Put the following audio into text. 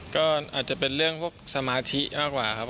ก็อาจจะเป็นเรื่องพวกสมาธิมากกว่าครับ